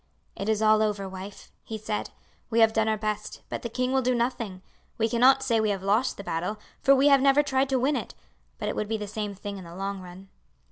"It is all over, wife!" he said. "We have done our best, but the king will do nothing. We cannot say we have lost the battle, for we have never tried to win it; but it would be the same thing in the long run."